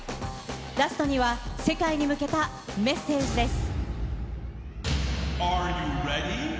ラストには、世界に向けたメッセージです。